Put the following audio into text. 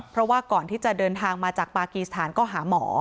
เพราะว่าก่อนที่จะเดินทางมาจากปากีสถานก็หาหมอ